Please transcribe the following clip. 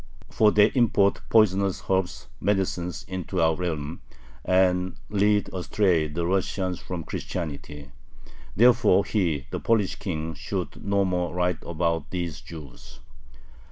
For they import poisonous herbs [medicines] into our realm, and lead astray the Russians from Christianity. Therefore he, the [Polish] King, should no more write about these Jews.